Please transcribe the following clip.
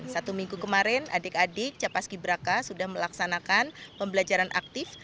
satu minggu kemarin adik adik capaski braka sudah melaksanakan pembelajaran aktif